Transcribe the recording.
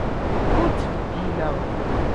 Nekk ur ttbeddileɣ.